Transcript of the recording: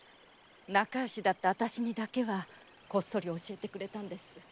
仲よしだった私にだけはこっそり教えてくれたんです。